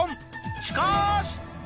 しかし！